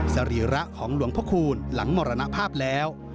สรีระของหลวงพระคูณหลังมรณภาพแล้ว